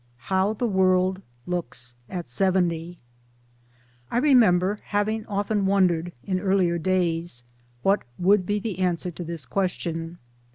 XVII HOWi THE WORLD LOOKS AT SEVENTY I REMEMBER having often wondered, in earlier days, what would be the answer to this question.